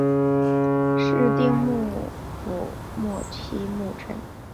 室町幕府末期幕臣。